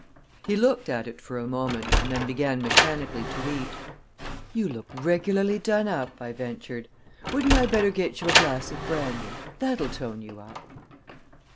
He looked at it for a moment, and then began mechanically to eat. "You look regularly done up," I ventured. "Wouldn't I better get you a glass of brandy? That'll tone you up."